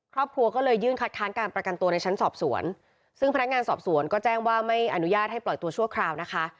ครอบครัวก็เลยยื่นคัดค้านการประกันตัวในชั้นสอบสวนซึ่งพนักงานสอบสวนก็แจ้งว่าไม่อนุญาตให้ปล่อยตัวชั่วคราวนะคะ